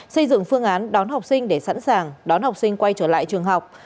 xây dựng phương án đón học sinh để sẵn sàng đón học sinh quay trở lại trường học